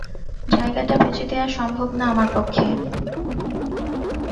জায়গাটা বেচে দেয়া সম্ভব না আমার পক্ষে।